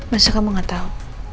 masa kamu gak tau